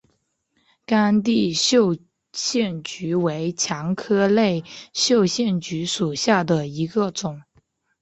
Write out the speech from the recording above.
干地绣线菊为蔷薇科绣线菊属下的一个种。